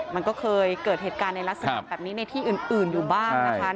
มันก็เคยเกิดเหตุการณ์ในลักษณะแบบนี้ในที่อื่นอยู่บ้างนะคะ